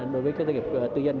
đối với các doanh nghiệp tư nhân